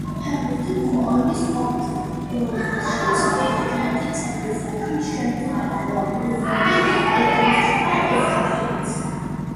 ფეხბურთი გუნდური სპორტი, რომელშიც თერთმეტი წევრისგან შემდგარი ორი გუნდი ეთამაშება ერთმანეთს